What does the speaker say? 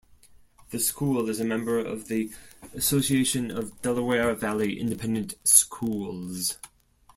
The school is a member of the Association of Delaware Valley Independent Schools.